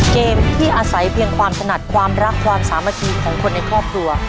เกมที่อาศัยเพียงความถนัดความรักความสามัคคีของคนในครอบครัว